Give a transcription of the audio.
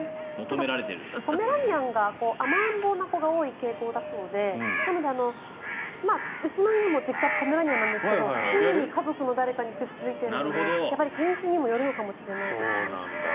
ポメラニアンが甘えん坊な子が多い傾向だそうでなので、うちの犬も実家、ポメラニアンなんですが常に家族の誰かにくっついているので犬種にもよるのかもしれないですね。